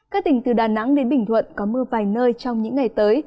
các tỉnh từ đà nẵng đến bình thuận có mưa vài nơi trong những ngày tới